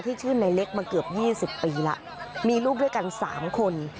ชื่อในเล็กมาเกือบ๒๐ปีแล้วมีลูกด้วยกัน๓คน